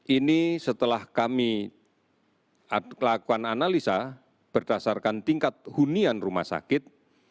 ini setelah kami lakukan analisa berdasarkan tingkat hunian rumah sakit